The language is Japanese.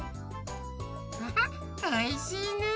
ハハッおいしいねえ！